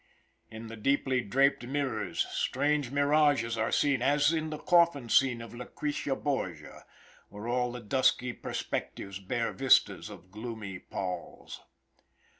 In the deeply draped mirrors strange mirages are seen, as in the coffin scene of "Lucretia Borgia," where all the dusky perspectives bear vistas of gloomy palls.